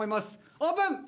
オープン！